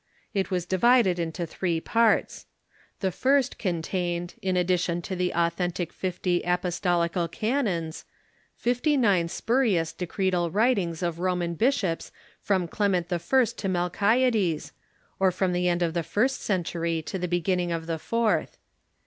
It was divided into three parts. The first contained, in addition to the authentic fifty apostolical canons, Contents^of fifty nine spurious decretal writings of Roman bishops from Clement I. to Melchiades, or from the end of the first century to the beginning of the fourth.